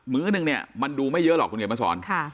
ื้อหนึ่งเนี่ยมันดูไม่เยอะหรอกคุณเขียนมาสอน